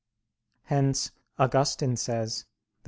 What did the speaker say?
Hence Augustine says (De Civ.